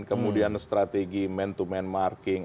kemudian strategi man to man marking